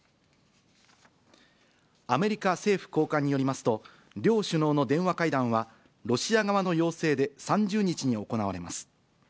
アメリカ政府高官によりますと、両首脳の電話会談は、ロシア側の要請で３０日に行われます。